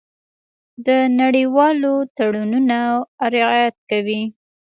د نړیوالو تړونونو رعایت کوي.